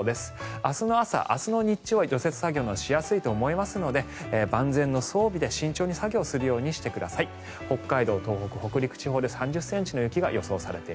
明日の朝、明日の日中は除雪作業がしやすいと思いますので万全の装備で慎重に作業をするようにしてください。